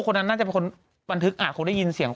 คนนั้นน่าจะเป็นคนบันทึกอาจคงได้ยินเสียง